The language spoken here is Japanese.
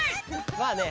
まあね。